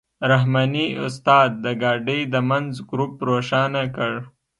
رحماني استاد د ګاډۍ د منځ ګروپ روښانه کړ.